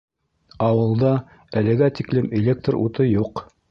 Ауылда әлегә тиклем электр уты юҡ.